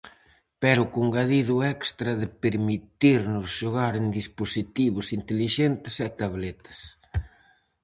Pero co engadido extra de permitirnos xogar en dispositivos intelixentes e tabletas.